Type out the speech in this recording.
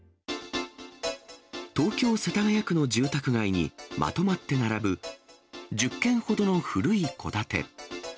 東京・世田谷区の住宅街に、まとまって並ぶ１０軒ほどの古い戸建て。